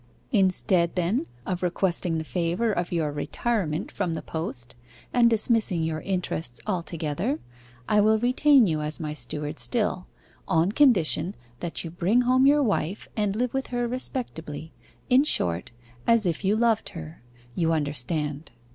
Instead, then, of requesting the favour of your retirement from the post, and dismissing your interests altogether, I will retain you as my steward still, on condition that you bring home your wife, and live with her respectably, in short, as if you loved her; you understand.